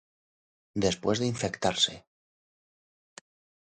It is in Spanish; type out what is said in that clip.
después de infectarse